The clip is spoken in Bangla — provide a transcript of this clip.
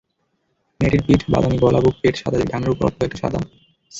মেয়েটির পিঠ বাদামি, গলা-বুক-পেট সাদাটে, ডানার ওপরে অল্প কয়েকটা সাদা ছিট।